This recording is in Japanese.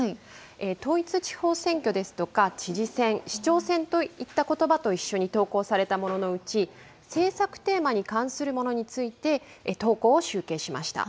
統一地方選挙ですとか、知事選、市長選といったことばと一緒に投稿されたもののうち、政策テーマに関するものについて投稿を集計しました。